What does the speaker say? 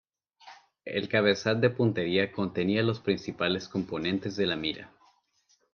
El cabezal de puntería contenía los principales componentes de la mira.